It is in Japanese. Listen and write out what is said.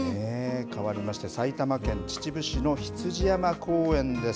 変わりまして、埼玉県秩父市の羊山公園です。